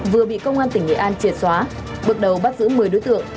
vừa bị công an tỉnh nghệ an triệt xóa bước đầu bắt giữ một mươi đối tượng